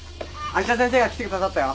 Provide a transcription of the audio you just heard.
芦田先生が来てくださったよ。